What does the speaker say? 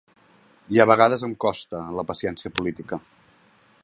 I a vegades em costa, la paciència política.